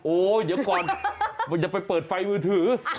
โอ้เดี๋ยวก่อนอย่าไปเปิดไฟมือถือ